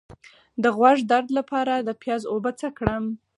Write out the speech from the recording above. د غوږ درد لپاره د پیاز اوبه څه کړم؟